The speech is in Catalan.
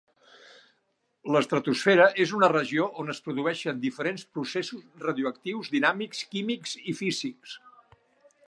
L'estratosfera és una regió on es produïxen diferents processos radioactius, dinàmics, químics i físics.